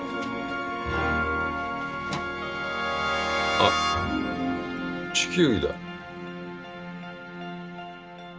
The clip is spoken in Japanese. あっ地球儀だ。